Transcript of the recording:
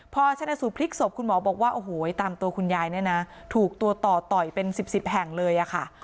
พอชนะสูตพลิกศพคุณหมอบอกว่าโอ้โหตามตัวคุณยายเนี่ยนะถูกตัวต่อต่อยเป็น๑๐แห่งเลยค่ะ